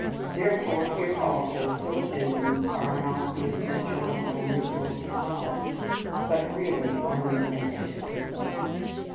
Therefore, here also syllogisms are not the essential and only source of knowledge, but really only a makeshift.